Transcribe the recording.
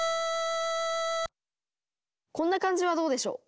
こんな感じはどうでしょう？